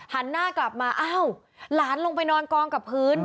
หันหน้ากลับมาอ้าวหลานลงไปนอนกองกับพื้น